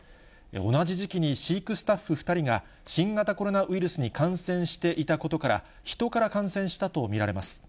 同じ時期に飼育スタッフ２人が新型コロナウイルスに感染していたことから、人から感染したと見られます。